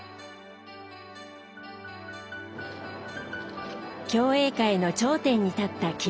競泳界の頂点に立った木村さん。